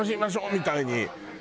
みたいに。